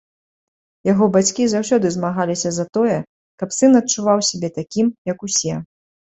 Яго бацькі заўсёды змагаліся за тое, каб сын адчуваў сябе такім, як усе.